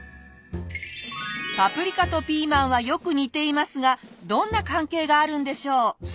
パプリカとピーマンはよく似ていますがどんな関係があるんでしょう？